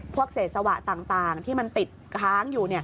เศษสวะต่างที่มันติดค้างอยู่